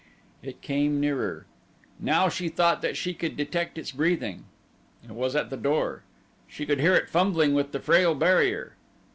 It came nearer. Now she thought that she could detect its breathing. It was at the door. She could hear it fumbling with the frail barrier.